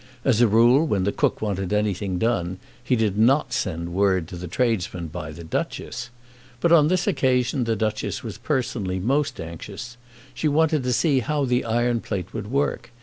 As a rule, when the cook wanted anything done, he did not send word to the tradesman by the Duchess. But on this occasion the Duchess was personally most anxious. She wanted to see how the iron plate would work.